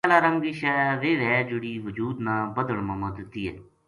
پہلا رنگ کی شے ویہ وھے جہڑی وجود نا بدھن ما مدد دیئے